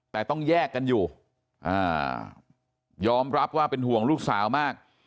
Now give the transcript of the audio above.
แต่ต้องแยกกันอยู่ยอมรับว่าเป็นห่วงลูกสาวมาก